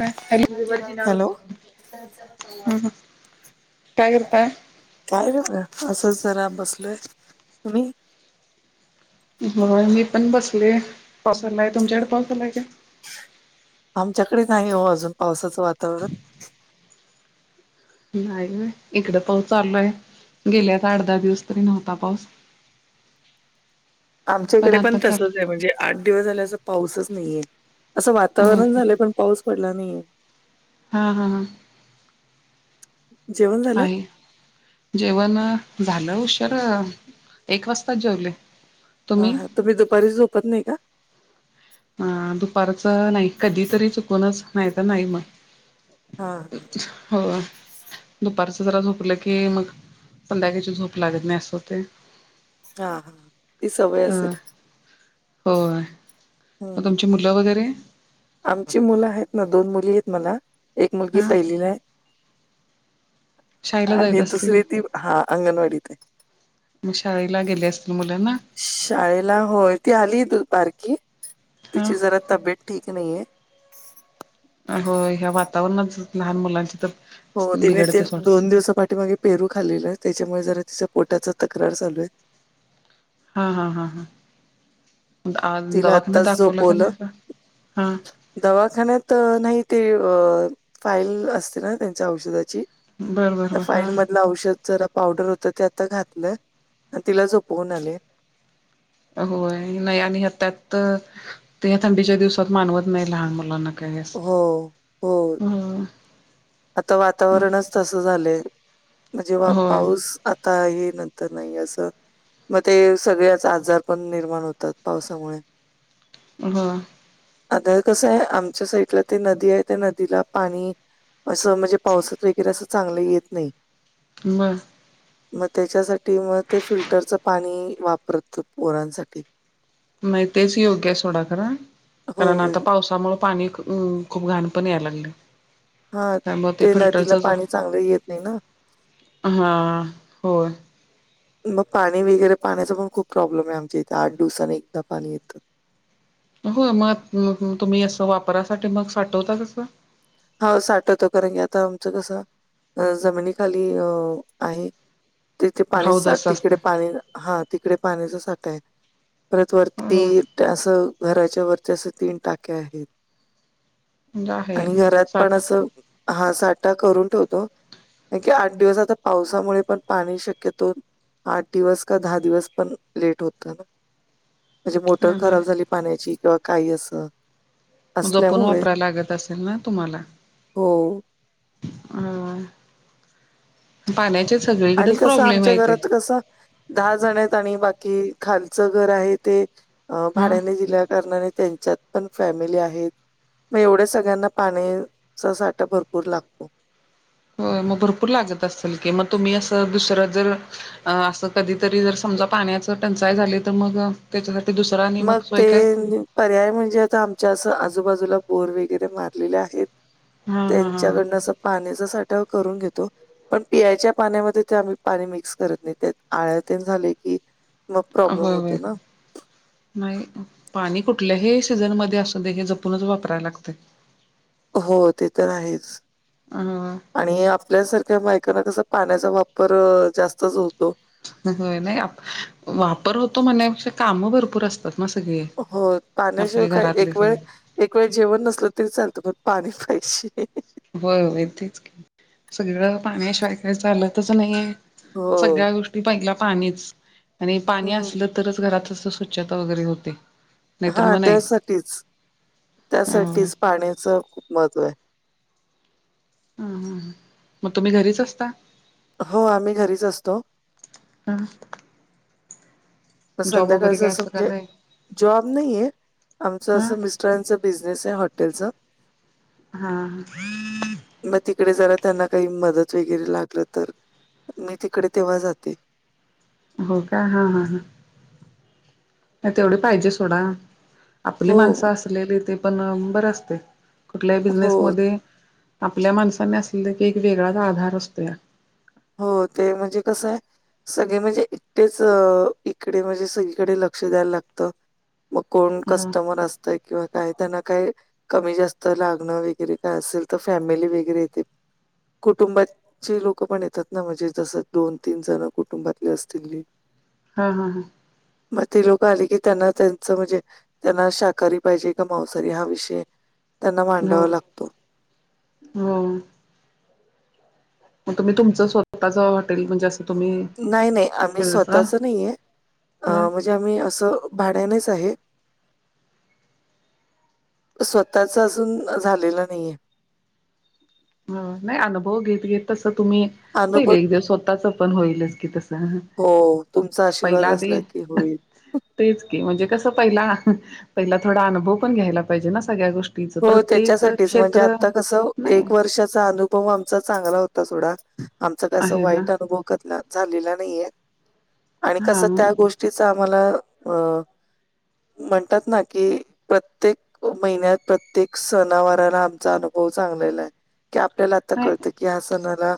Hello हम्म hello हम्म काय करताय काय करतोय असं जरा बसलोय तुम्ही हो मी पण बसले पाऊस आलाय तुमच्याकडे पाऊस आलाय काय आमच्याकडे नाही हो अजून पावसाचा वातावरण नाही होय इकडं पाऊस चालू हाय गेल्याचा आठ दहा दिवस तरी नव्हता पाऊस [inaudible] आमच्या इकडे पण आता तसच आहे चालू म्हणजे आठ दिवस झाले असं पाऊसच नाहीये असं हो वातावरण झालं पण पाऊस पडला नाहीये हा हा हा जेवण झालं? आहे जेवण झालं हुशार, एक वाजताच जेवले. हा हा तुम्ही दुपारी झोपत नाही का? अ दुपारचं नाही कधी तरी चुकूनच नाही तर नाही मग. हा हा हो. दुपारचं जरा झोपलं की मग संध्याकाळीची झोप लागत नाही अस होते. हा हा ती सवय अ असेल. होय हम्म मग हम्म. तुमची मुलं वगैरे. आमची मुलं आहेत ना दोन मुली आहेत मला एक मुलगी हां पहिलीला आहे. शाळेला जायत आणि असतील दुसरी ती हा अंगणवाडीत आहे. मग शाळेला गेले असतील मुलांना. शाळेला होय ती आली त बारकी हां तिची जरा तब्येत ठीक नाहीये. हो ह्या वातावरणातच लहान मुलांची तर हो तिने ते बिघडते सोडा दोन दिवसा पाठी मागे पेरू खालेलं आहे त्याच्यामुळे जरा तिच्या पोटाच तक्रार चालू आहे. हा हा हा हा आ तिला दवाखाण्यात आत्ताच दाखवल का झोपवलं नाहीसा? हा. दवाखान्यात नाही ते फाईल असते ना त्यांच्या औषधाची बरं बरं त्या बर फाईल हां मधलं औषध जरा पावडर होत ते आता घातलं आणि तिला झोपवून आले. होय नाही आणि ह्या त्यात ते ह्या थंडीच्या दिवसात मानवत नाही लहान मुलांना. काही असं हो हो हम्. आता वातावरणच तसं झालंय म्हणजे होय पाऊस आता येईल नंतर येईल आस. मग ते सगळ्याच आजार पण निर्माण होतात पावसामुळे. ह. आता कसं आहे आमच्या साईडला ते नदी आहे त्या नदीला पाणी असं म्हणजे पावसात वगैरे असं चांगलं येत नाही. म. मग त्याच्यासाठी मग ते फिल्टरचं पाणी वापरत पोरांसाठी. नाही तेच योग्य आहे सोडा खरा हो कारण आता पाऊस त्यामुळे पाणी खूप घाण पण याय लागलय. हा त्या मग ते फिल्टरच नदीला पाणी चांगलं येत नाही ना. हा होय. मग पाणी वगैरे पाण्याचा पण खूप प्रॉब्लेम आहे आमच्या इथे आठ दिवसानी एकदा पाणी येतं. हो मग तुम्ही असं वापरासाठी मग साठवता कसं? हो साठवतो कारण की आता आमचं कसं जमिनी खाली अ आहे. तिथे पाणी हौद असं तिकडे असतंय पाणी हा तिकडे पाण्याचा साठा आहे. परत होय होय वरती असं घराच्या वरती असे तीन टाके आहेत. म्हंजे आहे आणि घरात पण साठा. हा साठा करून ठेवतो. की आठ दिवस आता पावसामुळे पण पाणी शक्यतो आठ दिवस का दहा दिवस पण लेट होतं ना. म्हणजे मोटर खराब झाली पाण्याची किंवा काही असं. मग जपून असल्यामुळे वापरायला लागत असेल ना तुम्हाला. हो. अ पाण्याचे सगळीकडेच प्रॉब्लेम आहे ते. अस. दहा जण आहेत आणि बाकी खालचं घर आहे ते अ हा. भाड्याने दिल्या कारणाने त्यांच्यात पण फॅमिली आहेत मग एवढ्या सगळ्यांना पाण्याचा साठा भरपूर लागतो. हो मग भरपूर लागत असेल की मग तुम्ही असं दुसर जर अ असं कधीतरी जर समजा पाण्याच टंचाई झाली तर मग त्याच्यासाठी दुसरा मग निेमक सोय काय? ते पर्याय म्हणजे आता आमच्या असं आजूबाजूला बोर वगैरे मारलेले आहेत. हा हा त्यांच्याकडनं असं पाण्याचा साठाव करून घेतो. पण पियायच्या पाण्यामध्ये ते आम्ही पाणी मिक्स करत नाही त्या आळ्याते झाले की मग हा प्रॉब्लेम होय होय. होतो ना. नाही पाणी कुठल्याही सीझनमध्येध्ये असून दे हे जपूनच वापरायला लागतय. हो ते तर आहेच अ आणि आपल्यासारख्या बायकना कसं पाण्याचा वापर जास्तच होतो हो नाही वापर होतो म्हणण्यापेक्षा काम भरपूर असतात मा सग आहे हो पाण्याशिवाय काय एक वेळ एक वेळ जेवण नसल तरी चालतं पण पाणी पैसे हो ये तेेच सगळं पाण्याशिवायकाय चालतच नाहीये हो. सगळ्या गोष्टी पहिल्या पाणीच आणि पाणी हम्म असलं तरच घरात स्वछता वगैरे होते नाहीतर हा मग नाही त्यासाठीच ह त्यासाठीच पाण्याच खूप महत्त्व आहे ह ह मग तुम्ही घरीच असता हो आम्ही घरीच असतो हम वगैरे संध्याकाळचं काय असं का म्हणजे नाही जॉब नाहीये आमचं हा असं मिस्टरांच बिझनेस आहे हॉटेलच हा ह मग तिकडे जरा त्यांना काही मदत वगैरे लागलं तर मी तिकडे तेव्हा जाते हो का हां हां ह नाही तेवढे पाहिजे सोडा आपली हो, माणसं असलेली ते पण बरे असते कुठल्याही बिझनेस हो, मध्ये आपल्या माणसानी असलेले की एक वेगळाच आधार असतोय हो ते म्हणजे कसं आहे सगळे म्हणजे इटेच इकडे म्हणजे सगळीकडे लक्ष द्यायला लागतं मग कोण हा कस्टमर असतं किंवा काय त्यांना काय कमी जास्त लागणं वगैरे काय असेल तर फॅमिली वगैरे येते कुटुंबाचे लोक पण येत ात ना म्हणजे जस दोन तीन जण कुटुंबातले असतील हा हा हा मग ते लोक आले की त्यांना त्यांचं म्हणजे त्यांना शाकाहारी पाहिजे का मांसारी हा विषय त्यांना हो मांडावा लागतो हो मग तुम् तुमचं स्वतःं हॉटे म्हणजे तुम्ही नाही नाही आम्ही बिझनेसला स्वतःच नाही आहे अ ह म्हणजे आम्ही असं भाड्यानेच आहे स्वतःच अजून झालेला नाहीये नाही अनुभव घेत घेत तसं तुम्ही होईल अनुभव एक दिवस स्वतःच पण होईलच कि तसं हो तुमचा आशीर्वाद पहिला असला आधी की होईल. तेच की म्हणजे कसं पहिला पहिला थोडा अनुभव पण घ्यायला पाहिजे ना सगळ्या गोष्टी हो त्याच्यासाठीच म्हणजे आता कसं नाही एक वर्ष चा अनुभव आमचा चांगला होता थोडा आमच कस आहे ना वाईट अनुभव झालेला नाहीये आणि हा कसं मग त्या गोष्टी ी आम्हाला अ म्हणतात ना कि प्रत्येक महिन्यात्य प्रत्येक सणावारला आमचा अनुभव चांगलेला आहे की आपल्याला आता नाही कळतं कि हा सणाला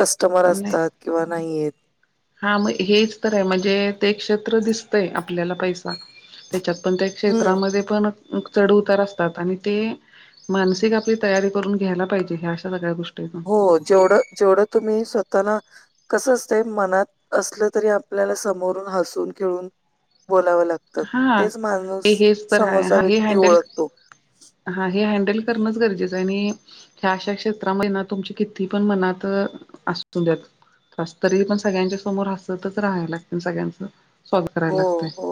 कस्टमर नाही असतात किंवा नाहीयेत हा म हेच तर आहे म्हणजे ते क्षेत्र दिसतंय आपल्याला पैसे त्याच्यात पण त्या हं. क्षेत्रामध्ये पण चढ उतार असतात आणि ते मानसिक आपली तयारी करून घ्यायला पाहिजे ह्या अशा सगळ्या गोष्टी आहेत. हो जेवढं जेवढं तुम्ही स्वतःला कस असते मनात असलं तरी आपल्याला समोरून हसून खेळून बोलावं लागतं. तर हा तेच माणूस हे हेच तर आहे, समोरचा हा हे व्यक्ती हँडल ओळखतो. हा हे हँडल करणंच गरजेचं आणि ह्या अशा क्षेत्रामध्ये ना तुमची किती पण मनात असू द्याेत. त तरी पण सगळ्यांच्या समोर हसतच राहायला लागते सगळ्यांचं स्वाद करायला लागत. हो हो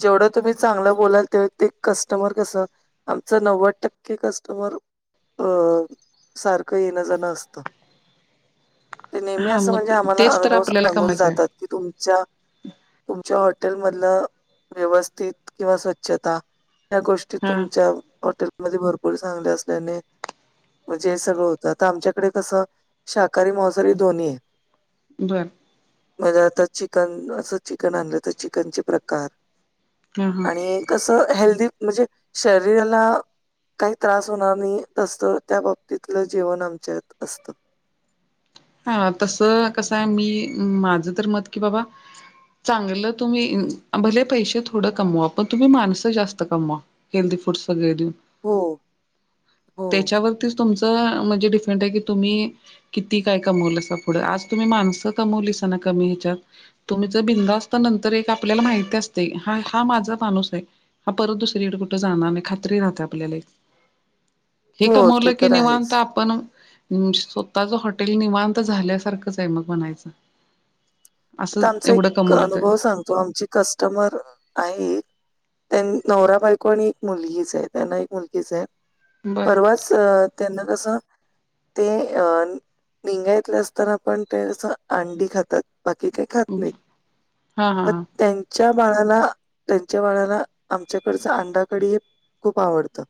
जेवढं तुम्ही चांगलं बोलाल तेव ते कस्टमर कसं. आमच नव्वद टक्के कस्टमर अ सारखं येणंजणं असतं. [inaudible] ते नेहमी हा असं म्हणजे मग आम्हाला तेच तर अनुभव आपल्याला सांगून कमायचं आहे जातात की तुमच्या तुमच्या हॉटेल मधलं व्यवस्थित किंवा स्वच्छता त्या गोष्टी हा तुमच्या हॉटेलमध्ये भरपूर चांगल्या असल्याने म्हणजे हे सगळं होतं आ आमच्याकडे कसं शाकाहारी मवसारी दोन्ही आहे. बरं. म्हजे आता चिकन असं चिकन आणलं तर चिकनचे प्रकार हा हा आणि कसं हेल्दी म्हणजे शरीराला काही त्रास होणार नाही असत त्या बाबतीतलं जीवन आमच्यात असतं. हा तस कसं आहे मी माझं तर मत कि बाबा चांगलं तुम्ही भले पैसे थोडं कमवा पण तुम्ही माणसं जास्त कमवा. हेल्थदी फूडस वगैर दि हो. हो, त्याच्यावरतीच तुमचं म्हणजे डिफेंट आहे कि तुम्ही किती? काय कमवल अस पुढे आज तुम्ही माणसं कमवलीसना कमी ह्याच्यात. तुम्ही ज भिंद असता नंतर एक आपल्याला माहिती असते हा हा माझा माणूस आहे. हा परत दुसरीकडे कुठं जाणार नाहीी खात्री राहत आपल्याला एक हे हो कमवलं ते की तर आहेच. निवांत आपण स्वतःच हॉटेल निवां तर झाल्यासारखंच आहे मग बनायचं. आता आमचा एक कमवलं तर अनुभव सांगतो आमची कस्टमर आहे. त्यां नवरा बायकोण एक मुलगीच आहे त्यांना एक मुलगीच आहे बर परवाच अ त्यांना कसं? ते अ निंगायतले असत आपण ते अंडी खातात. बाकी काही खात नाहीत हा हा म हा त्यां च्या बाळाला त्यांच्या बाळाला आमच्याकडचं अंडाकडी खूप आवडतं.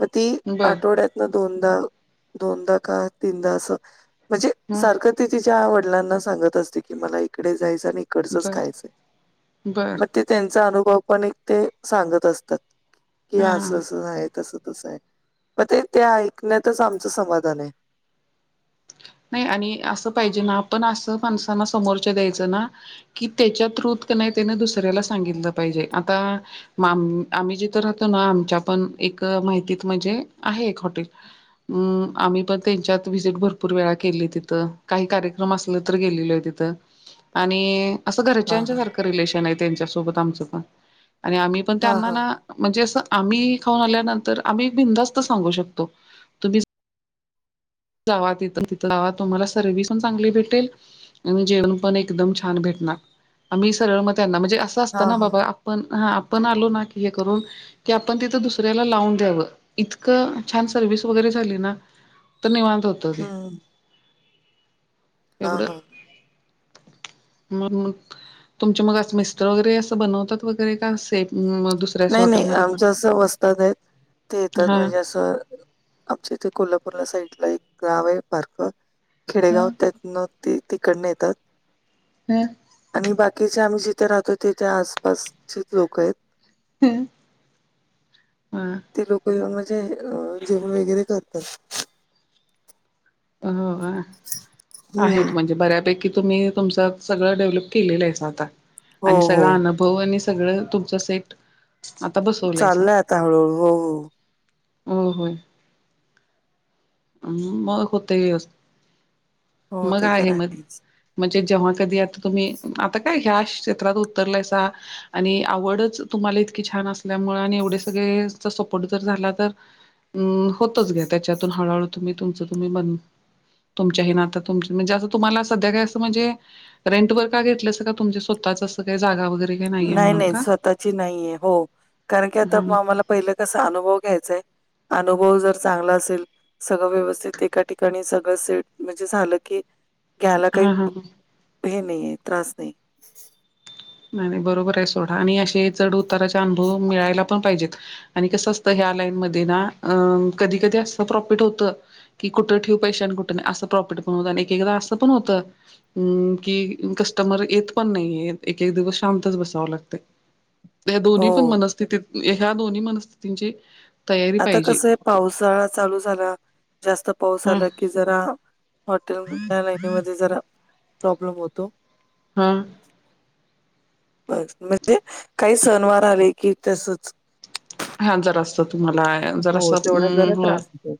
मग ती बर आठवड्यात ना दोनदा दोनदा का तीनदा असं. म्हणजे ह सारखं ते तिच्या वडिलांना सांगत असते कि मला इकडे जायचं आणि इकडचच बर खायचं बर मग ते त्यांचा अनुभव पण एक ते सांगत असतात. कि हा हा असं असं आहे तसं तसं आहे मग ते ते ऐकण्यातच आमचं समाधान आहे. नाही आणि असं पाहिजे ना आपण असं माणसांना समोरच्या द्यायचं ना. कि त्याच्या थ्रूत नाही त्याने दुसऱ्याला सांगितलं पाहिजे आता मग आम्ही जिथं राहतो ना आमच्या पण एक माहितीत म्हणजे आहे एक हॉटेल ह् आम्ही पण त्यांच्यात व्हिजिट भर भरपूर वेळा केली तिथं काही कार्यक्रम असल तर गेलेलो आहे तिथं आणि असं हां घरच्यांच्या हां. सारखं रिलेशन आहे त्यांच्यासोबत आमचं पण आणि आम्ही पण हां त्यांना हां. ना म्हणजे असं आम्ही खाऊन आल्यानंतर आम्ही बिंदास्त सांगू शकतो तुम्ही जावा तिथं तिथं जावा तुम्हाला सर्व्हिस पण चांगली भेटेल आणि जेवण पण एकदम छान भेटणार आम्ही सरळ मत त्यांना म्हणजे असं असतं हां ना हां. बाबा पण हा आपण आलो ना की हे करून कि आपण तिथं दुसऱ्याला लावून द्यावं इतकं छान सर्व्हस वगैरे झाली ना तर निवांत होत ते हं. हां एवढ हां. म तुमचे मग असं मिस्त्र वगैरे असं बनवतात वगैरे का असे नाही नाही आमच असं वस्तात आहेत ते येतात हा म्हणजे असं आमच्या इथे कोल्हापूरला साइडला एक गाव आहे पार्क खेडेगाव हा त्यातन ते तिकडन येतात हम आणि बाकीचे आम्ही जिथे राहतो तेिथ आसपासचेच लोक आहेत हम्म हा ते लोक म्हणजे जेवण वगैरे करतात अ आहेत हं. म्हणजे बऱ्यापैकी तुम्ही तुमच सगळं डेव्हलप केलेलं आहे आता हो आणि हो. सगन भाऊ आणि सगळं तुमच सेट आता बसवलायचा चाललंय आता हळूहळू. हो हो. हो होम् मग होते व्याव हो मग ते तर आहे मग आहेच. म्हणजे जेव्हा कधी आता तुम्ही आता काय ह्या क्षेत्रात उतरलायचा आणि आवडच तुम्हाला इतकी छान असते मुळे आणि एवढे सगळे सपोर्ट जर झाला तर अ होतच घ्या त्याच्यातून हळहळू तुम्ही तूमचं तुम्ही बन तुमच्याही ना आता तुम म्हणजे असं तुम्हाला सध्या काही असं म्हणजे रेंटवर का घेतले असं का तुमच्या स्वतःच असं काही जागा वगैरे काही नाहीये नाही म्हणून नाही का? स्वतःची नाहीये हो कारण की आता हा आम्हाला पहिलं कसा अनुभव घ्यायचाय अनुभव जर चांगला असेल सगळं व्यवस्थित एका ठिकाणी सगळं सेट म्हणजे झालं की घ्यायला काही हा हा हे नाहीे त्रास नाही आणि बरोबर आहे सोडा आणि असे चढ उताराचा अनुभव मिळायला पण पाहिजेत आणि कसं असतं ह्या लाईन मध्ये ना अ कधी कधी असत प्रॉफिट होतं की कुठं ठेऊू पैशा आणि कुठे नाही असं प्रॉफिट पण होतं आणि एक एकदा असं पण होतं अम् कि कस्टमर येत पण नाही य एक एक दिवस शांतच बसावं लागते त्या दोन्ही पण हो मनस्थितीत ह्या दोन्ही मनस्थितींचे आता कसं आहे पावसाळा चालू झाला जास्त पाऊस हा आला कि जरा हॉटेल या लाईनीमध्ये जरा प्रॉब्लेम होतो हा ब म्हणजे काही सनवार आले की तसच हा जरा असत तुम्हाला जरा हो तेवढा असंम जरा हो त्रास होतो.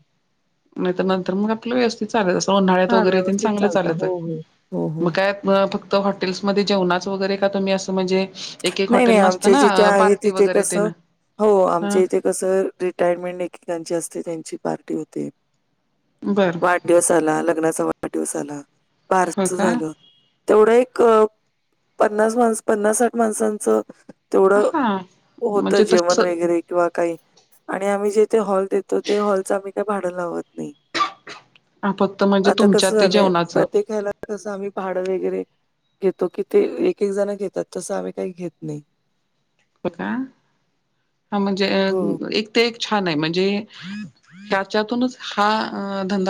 नाही तर नंतर मग आपलं व्यवस्थित चालत असं उन्हाळ्यात हा वगैरे ते व्यवस्थित चांगलं चालता चालत हो आहे हो. हो मग हो. काय फक्त हॉटेल्समध्येध्ये जेवणाच वगैरे का तुम्ही असं म्हणजे एक एक नाही, नाही. हॉटेल नसतं आमच्या ना जिथे आहे पार्टी तिथे वगैरे ते कसं ना हो हा आमच्या इथे कसं रिटायरमेंट एकेकांची असते त्यांची पार्टी होते बरं वाढ दिवस आला लग्नाचा वाढदिवस आला हो बारस का झालं तेवढं एक पन्नास माणस पन्नास साठ माणसांचं तेवढं हा होतं म्हणजे तस जेवण वगैरे किंवा काही आणि आम्ही जेथे हॉल देतो ते हॉलच आम्ही काही भाडं लावत नाही फक्त म्हणजे आता तुमच्या कस ते झालंय जेवणाचं प्रत्येकला कसं आम्ही भाडं वगैरे घेतो की ते एक एक जण घेतात तसं आम्ही काही घेत नाही ब का हा म्हणजे हो. अ एक ते छान आहे म्हणजे त्याच्यातून हा ध